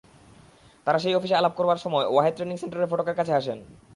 তাঁরা সেই অফিসে আলাপ করার সময় ওয়াহেদ ট্রেনিং সেন্টারের ফটকের কাছে আসেন।